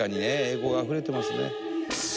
英語があふれてますね。